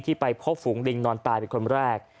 ไปพบฝูงลิงนอนตายเป็นคนแรก